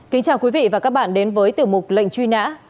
kính chào quý vị và các bạn đến với tiểu mục lệnh truy nã